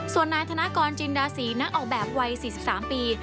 ส่วนนายธนกรจินดาศีนักออกแบบวัย๔๓ปี